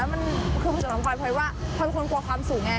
แต่ถ้าพูดถึงความฝันในวัยเด็กอะอย่างเชอรี่อย่างเงี้ย